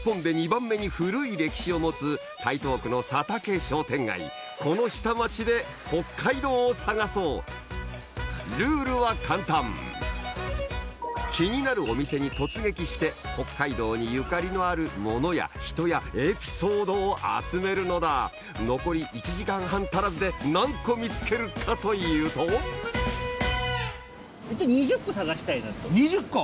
やって来たのはこの下町で北海道を探そうルールは簡単気になるお店に突撃して北海道にゆかりのある「物」や「人」や「エピソード」を集めるのだ残り１時間半足らずで何個見つけるかというと２０個？